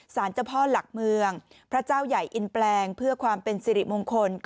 สารเจ้าพ่อหลักเมืองพระเจ้าใหญ่อินแปลงเพื่อความเป็นสิริมงคล